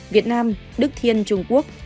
việt nam đức thiên trung quốc